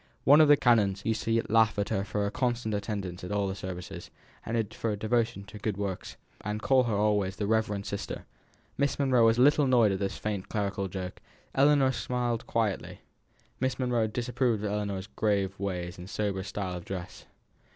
One of the canons used to laugh at her for her constant attendance at all the services, and for her devotion to good works, and call her always the reverend sister. Miss Monro was a little annoyed at this faint clerical joke; Ellinor smiled quietly. Miss Monro disapproved of Ellinor's grave ways and sober severe style of dress.